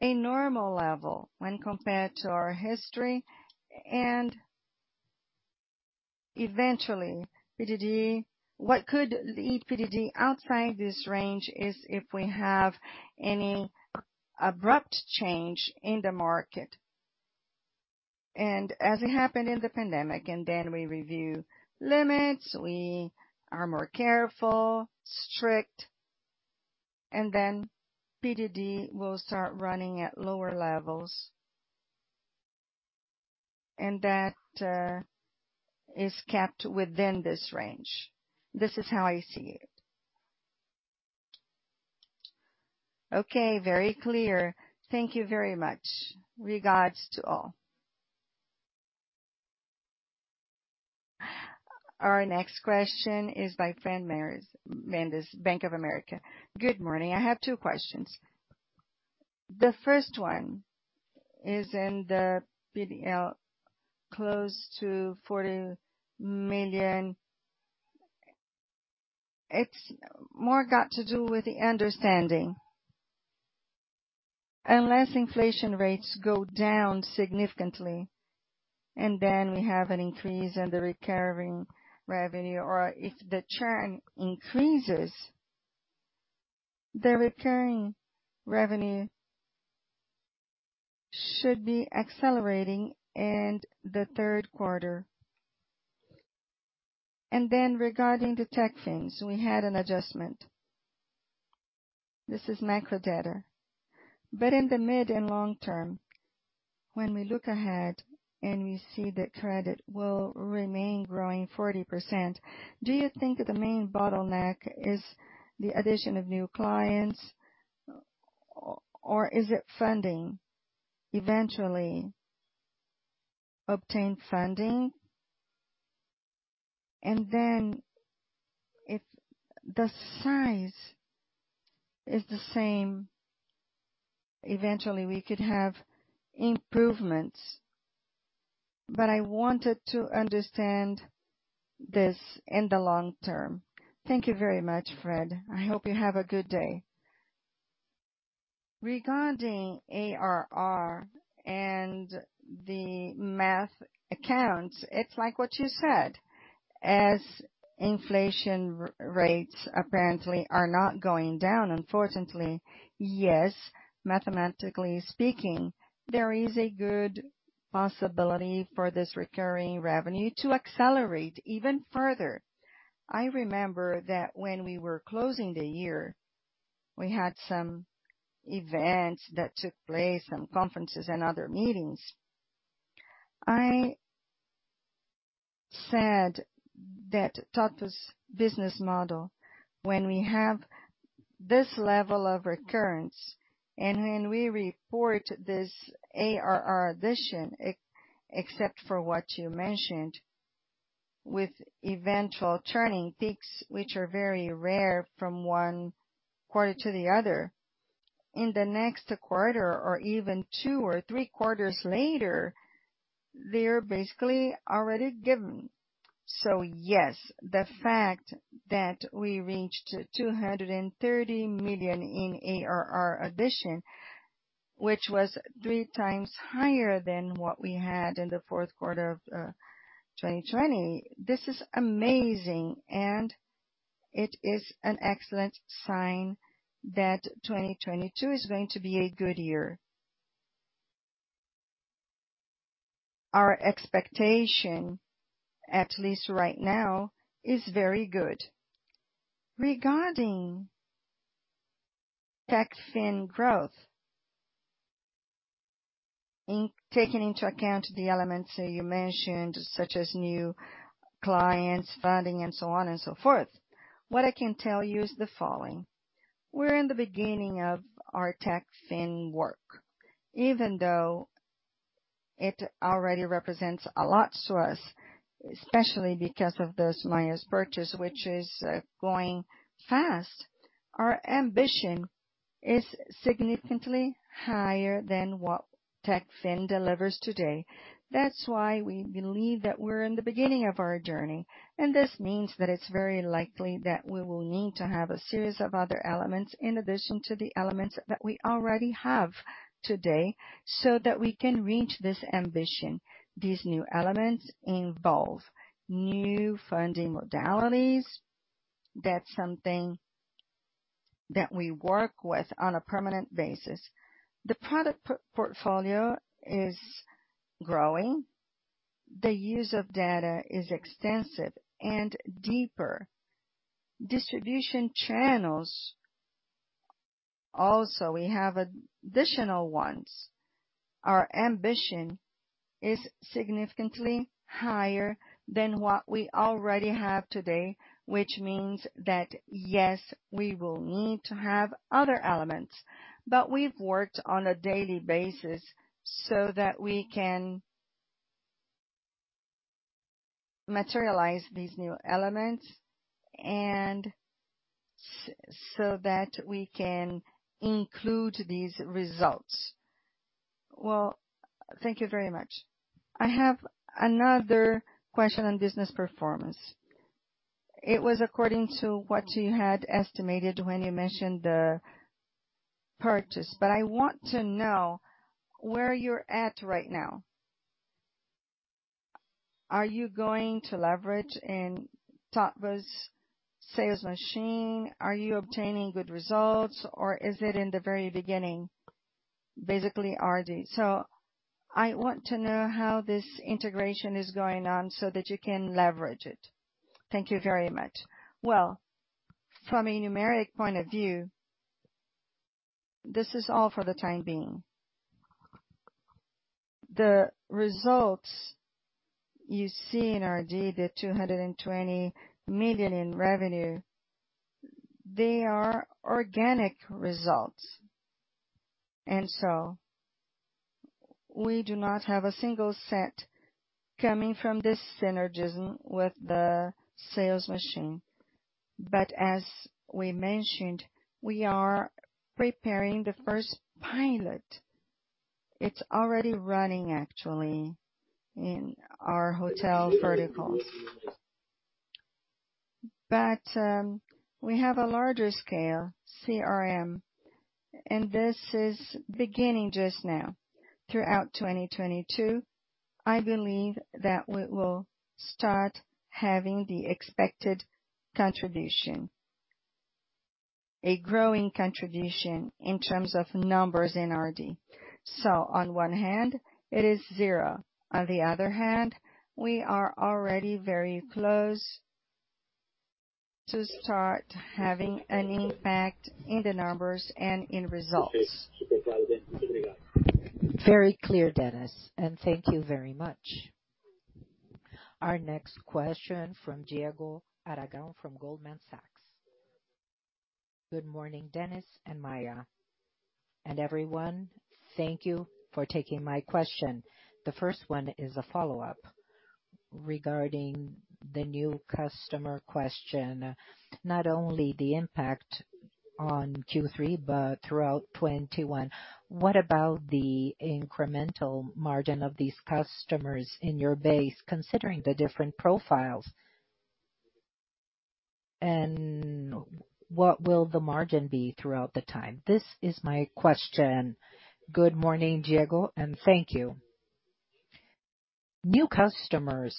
S2: a normal level when compared to our history. Eventually, PDD, what could lead PDD outside this range is if we have any abrupt change in the market. As it happened in the pandemic, and then we review limits, we are more careful, strict, and then PDD will start running at lower levels. That is kept within this range. This is how I see it.
S7: Okay. Very clear. Thank you very much. Regards to all.
S1: Our next question is by Fred Mendes, Bank of America.
S8: Good morning. I have two questions. The first one is in the PDL, close to BRL 40 million. It's more to do with the understanding. Unless inflation rates go down significantly, and then we have an increase in the recurring revenue, or if the churn increases, the recurring revenue should be accelerating in the third quarter. Regarding the Techfin, we had an adjustment. This is macro-driven. In the mid- and long-term, when we look ahead and we see that credit will remain growing 40%, do you think the main bottleneck is the addition of new clients or is it funding? Eventually obtain funding, and then if the size is the same, eventually we could have improvements. I wanted to understand this in the long term.
S2: Thank you very much, Fred. I hope you have a good day. Regarding ARR and the Management accounts, it's like what you said. As inflation rates apparently are not going down, unfortunately, yes, mathematically speaking, there is a good possibility for this recurring revenue to accelerate even further. I remember that when we were closing the year, we had some events that took place, some conferences and other meetings. I said that TOTVS business model, when we have this level of recurrence and when we report this ARR addition, except for what you mentioned with eventual turning peaks, which are very rare from one quarter to the other. In the next quarter or even two or three quarters later, they are basically already given. Yes, the fact that we reached 230 million in ARR addition, which was 3x higher than what we had in the fourth quarter of 2020, this is amazing, and it is an excellent sign that 2022 is going to be a good year. Our expectation, at least right now, is very good. Regarding Techfin growth, taking into account the elements that you mentioned, such as new clients, funding, and so on and so forth. What I can tell you is the following: We're in the beginning of our Techfin work. Even though it already represents a lot to us, especially because of this Mais purchase, which is going fast, our ambition is significantly higher than what Techfin delivers today. That's why we believe that we're in the beginning of our journey, and this means that it's very likely that we will need to have a series of other elements in addition to the elements that we already have today, so that we can reach this ambition. These new elements involve new funding modalities. That's something that we work with on a permanent basis. The product portfolio is growing. The use of data is extensive and deeper. Distribution channels, also, we have additional ones. Our ambition is significantly higher than what we already have today, which means that, yes, we will need to have other elements. We've worked on a daily basis so that we can materialize these new elements and so that we can include these results.
S8: Well, thank you very much. I have another question on Business Performance. It was according to what you had estimated when you mentioned the purchase, but I want to know where you're at right now. Are you going to leverage in TOTVS sales machine? Are you obtaining good results, or is it in the very beginning, basically RD? I want to know how this integration is going on so that you can leverage it. Thank you very much.
S2: Well, from a numeric point of view, this is all for the time being. The results you see in RD, the 220 million in revenue, they are organic results. We do not have a single set coming from this synergism with the sales machine. As we mentioned, we are preparing the first pilot. It's already running actually in our hotel verticals. We have a larger scale CRM, and this is beginning just now. Throughout 2022, I believe that we will start having the expected contribution, a growing contribution in terms of numbers in RD. On one hand, it is zero. On the other hand, we are already very close to start having an impact in the numbers and in results.
S8: Very clear, Dennis, and thank you very much.
S1: Our next question from Diego Aragão from Goldman Sachs.
S9: Good morning, Dennis and Maia and everyone. Thank you for taking my question. The first one is a follow-up regarding the new customer question, not only the impact on Q3, but throughout 2021. What about the incremental margin of these customers in your base, considering the different profiles? And what will the margin be throughout the time? This is my question.
S2: Good morning, Diego, and thank you. New customers,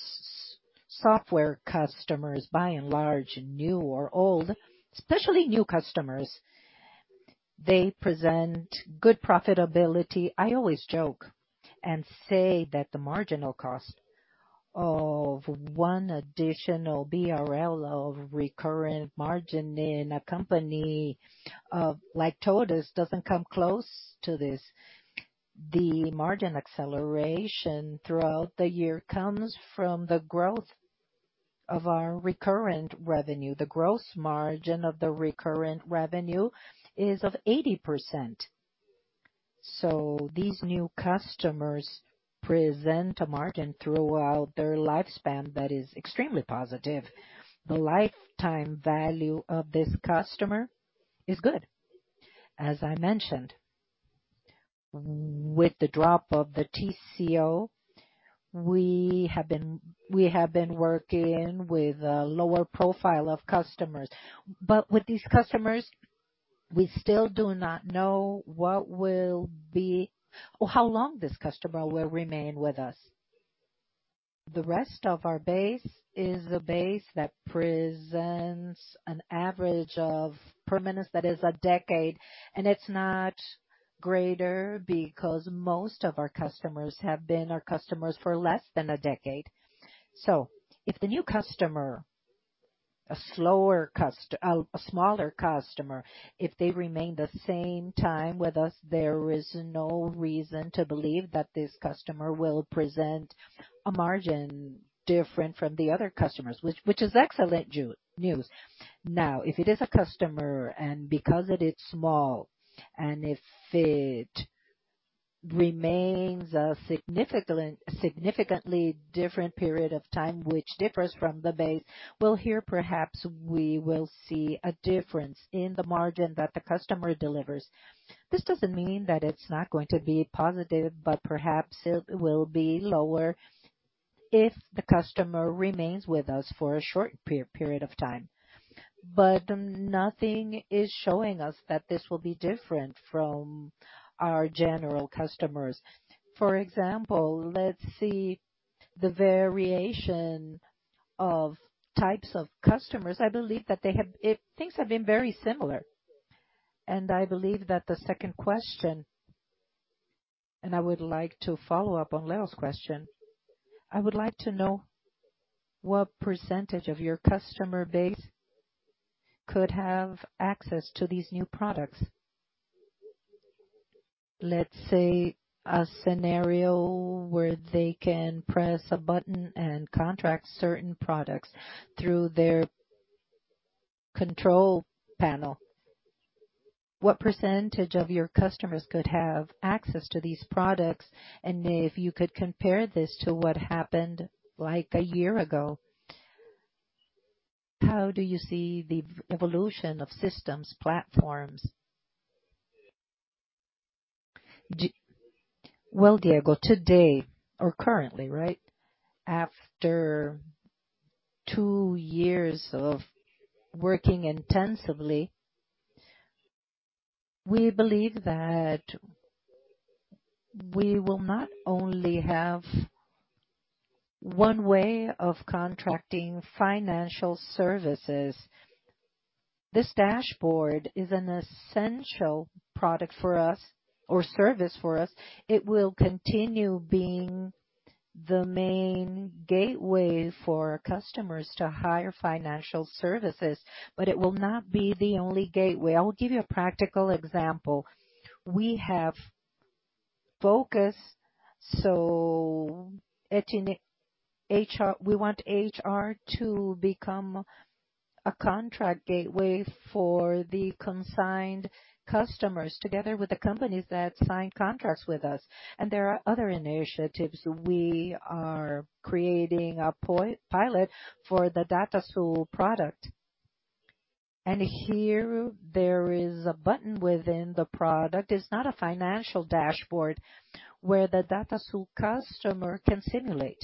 S2: software customers, by and large, new or old, especially new customers, they present good profitability. I always joke and say that the marginal cost of 1 BRL additional recurrent margin in a company like TOTVS doesn't come close to this. The margin acceleration throughout the year comes from the growth of our recurrent revenue. The gross margin of the recurrent revenue is 80%. These new customers present a margin throughout their lifespan that is extremely positive. The lifetime value of this customer is good. As I mentioned, with the drop of the TCO, we have been working with a lower profile of customers. But with these customers, we still do not know what will be or how long this customer will remain with us. The rest of our base is the base that presents an average of permanence that is a decade, and it's not greater because most of our customers have been our customers for less than a decade. If the new customer, a smaller customer, if they remain the same time with us, there is no reason to believe that this customer will present a margin different from the other customers, which is excellent news. Now, if it is a customer and because it is small, and if it remains a significantly different period of time, which differs from the base, well, here perhaps we will see a difference in the margin that the customer delivers. This doesn't mean that it's not going to be positive, but perhaps it will be lower if the customer remains with us for a short period of time. Nothing is showing us that this will be different from our general customers. For example, let's see the variation of types of customers. I believe that they have been very similar.
S9: I believe that the second question, and I would like to follow up on Leo's question. I would like to know what percentage of your customer base could have access to these new products. Let's say a scenario where they can press a button and contract certain products through their control panel. What percentage of your customers could have access to these products? If you could compare this to what happened like a year ago, how do you see the evolution of system platforms?
S2: Well, Diego, today or currently, right, after two years of working intensively, we believe that we will not only have one way of contracting financial services. This dashboard is an essential product for us or service for us. It will continue being the main gateway for customers to hire financial services, but it will not be the only gateway. I will give you a practical example. We have focused on TOTVS HR. We want HR to become a contract gateway for the consigned customers together with the companies that sign contracts with us. There are other initiatives. We are creating a pilot for the Datasul product. Here there is a button within the product. It's a financial dashboard where the Datasul customer can simulate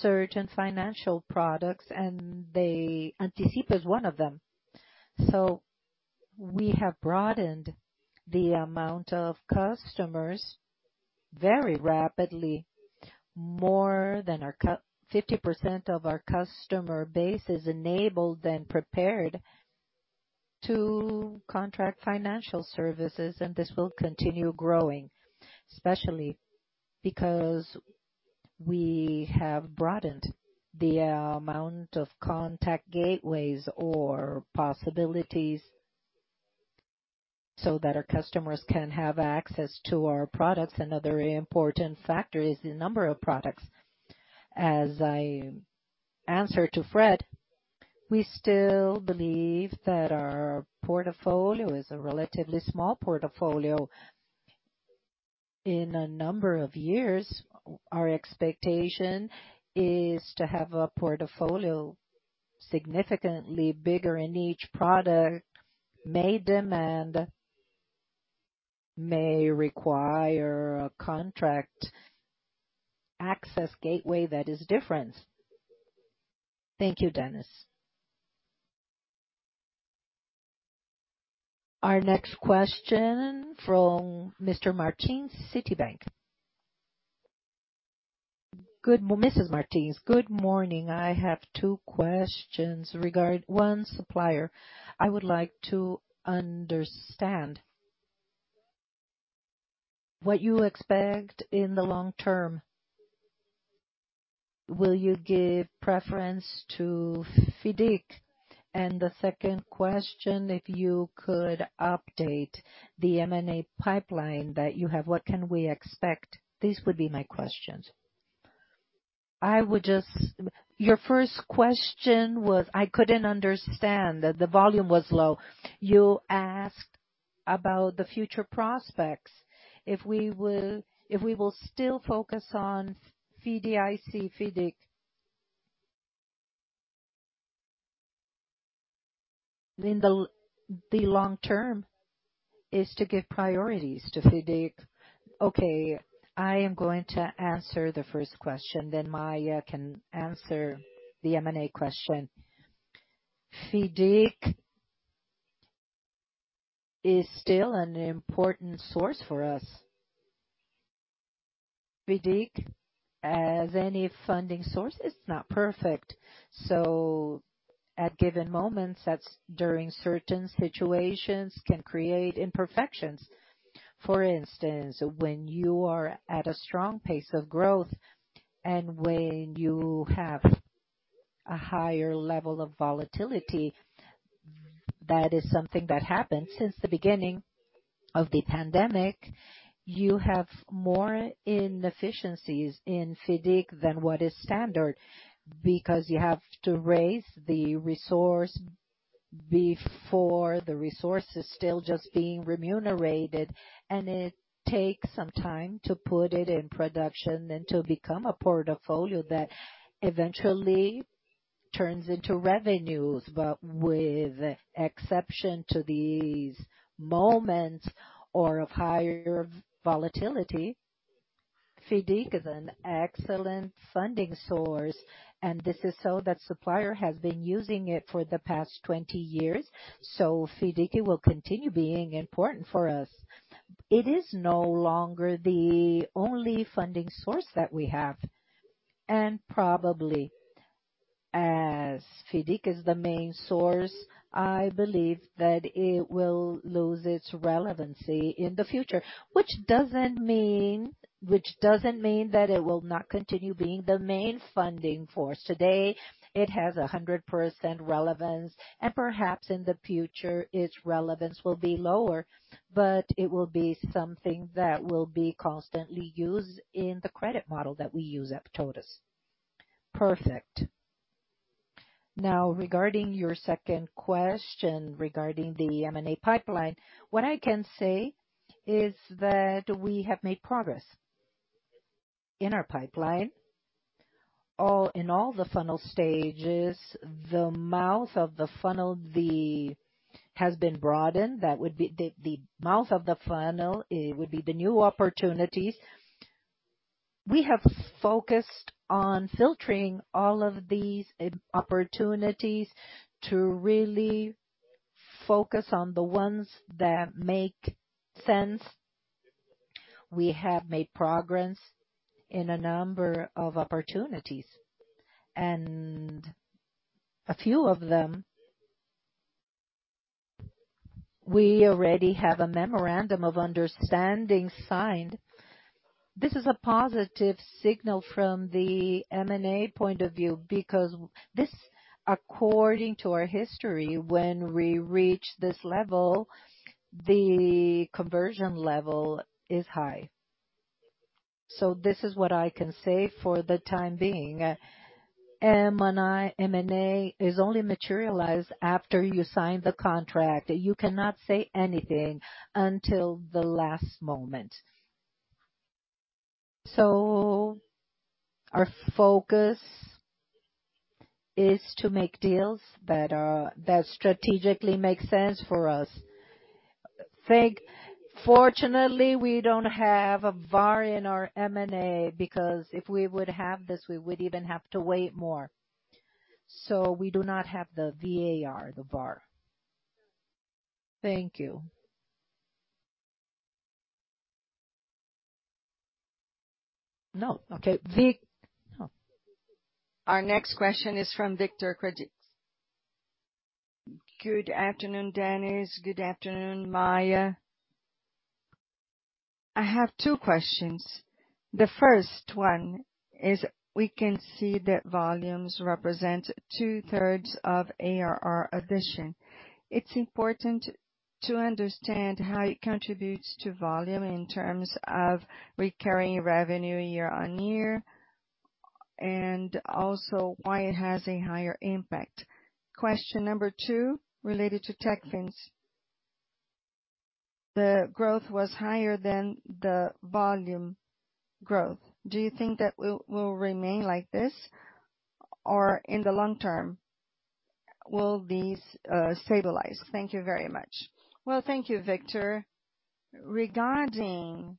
S2: certain financial products, and Antecipa is one of them. We have broadened the amount of customers very rapidly. More than 50% of our customer base is enabled and prepared to contract financial services, and this will continue growing, especially because we have broadened the amount of contract gateways or possibilities so that our customers can have access to our products. Another important factor is the number of products. As I answered to Fred, we still believe that our portfolio is a relatively small portfolio. In a number of years, our expectation is to have a portfolio significantly bigger, and each product may demand, may require a contract access gateway that is different.
S9: Thank you, Dennis.
S1: Our next question from [Mr. Martins], Citibank.
S10: Good morning. I have two questions regarding one supplier. I would like to understand what you expect in the long term. Will you give preference to FIDC? The second question, if you could update the M&A pipeline that you have, what can we expect? These would be my questions.
S2: I couldn't understand. The volume was low. You asked about the future prospects, if we will still focus on FIDC. In the long term is to give priorities to FIDC. Okay, I am going to answer the first question, then Maia can answer the M&A question. FIDC is still an important source for us. FIDC as any funding source, it's not perfect. At given moments, that is during certain situations, can create imperfections. For instance, when you are at a strong pace of growth and when you have a higher level of volatility, that is something that happened since the beginning of the pandemic. You have more inefficiencies in FIDC than what is standard because you have to raise the resource before the resource is still just being remunerated, and it takes some time to put it in production and to become a portfolio that eventually turns into revenues. With exception to these moments or of higher volatility, FIDC is an excellent funding source, and this is so that supplier has been using it for the past 20 years. FIDC will continue being important for us. It is no longer the only funding source that we have. Probably, as FIDC is the main source, I believe that it will lose its relevance in the future. Which doesn't mean that it will not continue being the main funding force. Today it has 100% relevance, and perhaps in the future, its relevance will be lower, but it will be something that will be constantly used in the credit model that we use at TOTVS.
S3: Perfect. Now, regarding your second question regarding the M&A pipeline, what I can say is that we have made progress in our pipeline. In all the funnel stages, the mouth of the funnel has been broadened. That would be the mouth of the funnel, it would be the new opportunities. We have focused on filtering all of these opportunities to really focus on the ones that make sense. We have made progress in a number of opportunities. A few of them we already have a memorandum of understanding signed. This is a positive signal from the M&A point of view, because this, according to our history, when we reach this level, the conversion level is high. This is what I can say for the time being. M&A is only materialized after you sign the contract. You cannot say anything until the last moment. Our focus is to make deals that strategically make sense for us. Fortunately, we don't have a VAR in our M&A because if we would have this, we would even have to wait more. We do not have the V-A-R, the VAR.
S2: Thank you.
S1: No. Okay. Vic. No. Our next question is from [Victor Krajiks].
S11: Good afternoon, Dennis. Good afternoon, Maia. I have two questions. The first one is we can see that volumes represent 2/3 of ARR addition. It's important to understand how it contributes to volume in terms of recurring revenue year-on-year and also why it has a higher impact. Question number two, related to Techfin. The growth was higher than the volume growth. Do you think that will remain like this or in the long term will these stabilize? Thank you very much.
S2: Well, thank you, Victor. Regarding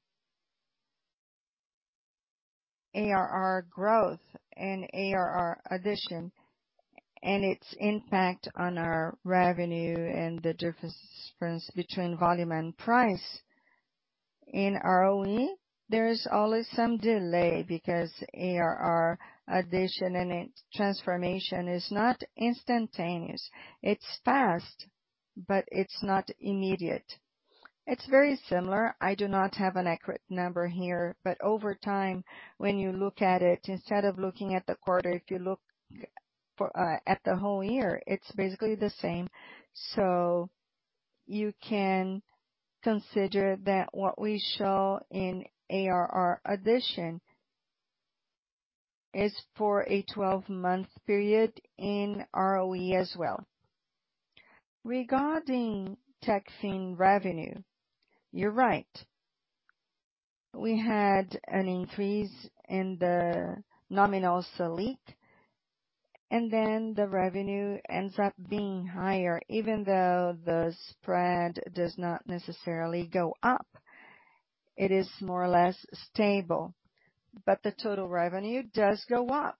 S2: ARR growth and ARR addition and its impact on our revenue and the difference between volume and price in ROE, there is always some delay because ARR addition and transformation is not instantaneous. It's fast, but it's not immediate. It's very similar. I do not have an accurate number here, but over time, when you look at it, instead of looking at the quarter, if you look at the whole year, it's basically the same. You can consider that what we show in ARR addition is for a 12-month period in ROE as well. Regarding Techfin revenue, you're right. We had an increase in the nominal Selic, and then the revenue ends up being higher, even though the spread does not necessarily go up. It is more or less stable, but the total revenue does go up.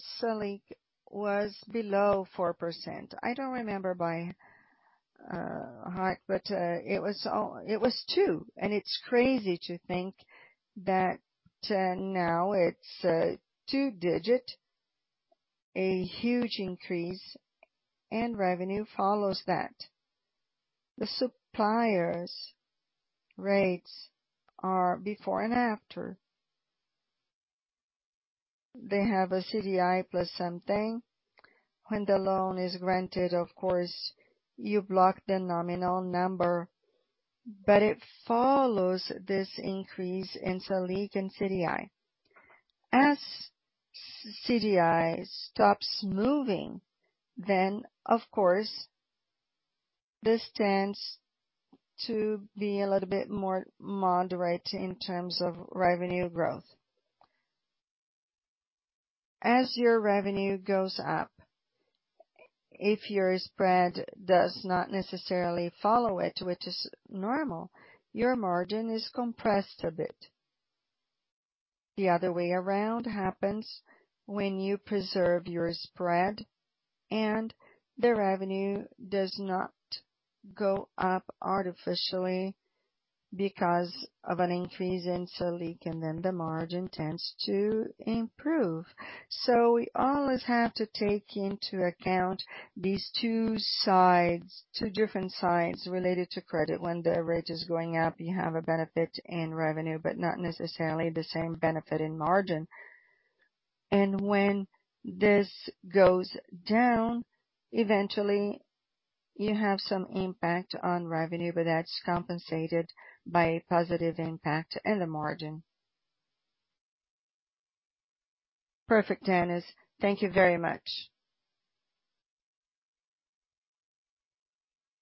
S2: If you think of it, some months ago, Selic was below 4%. I don't remember by heart, but it was 2%. It's crazy to think that now it's two-digit, a huge increase, and revenue follows that. The suppliers' rates are before and after. They have a CDI plus something. When the loan is granted, of course, you block the nominal number, but it follows this increase in Selic and CDI. As CDI stops moving, then of course, this tends to be a little bit more moderate in terms of revenue growth. As your revenue goes up, if your spread does not necessarily follow it, which is normal, your margin is compressed a bit. The other way around happens when you preserve your spread and the revenue does not go up artificially because of an increase in Selic, and then the margin tends to improve. So we always have to take into account these two sides, two different sides related to credit. When the rate is going up, you have a benefit in revenue, but not necessarily the same benefit in margin. When this goes down, eventually you have some impact on revenue, but that's compensated by a positive impact in the margin.
S11: Perfect, Dennis. Thank you very much.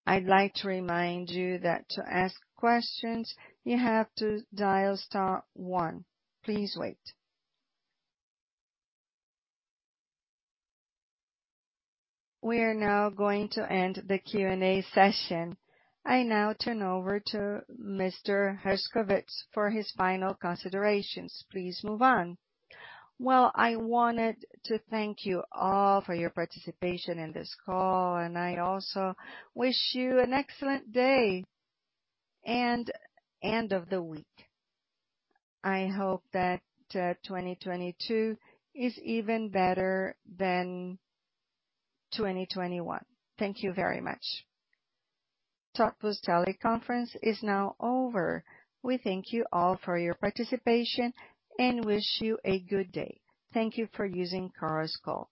S1: I'd like to remind you that to ask questions, you have to dial star one. Please wait. We are now going to end the Q&A session. I now turn over to Mr. Herszkowicz for his final considerations. Please move on.
S2: Well, I wanted to thank you all for your participation in this call, and I also wish you an excellent day and end of the week. I hope that 2022 is even better than 2021. Thank you very much.
S1: Today's teleconference is now over. We thank you all for your participation and wish you a good day. Thank you for using Chorus Call.